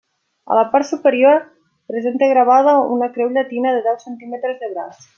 A la part superior presenta gravada una creu llatina de deu centímetres de braç.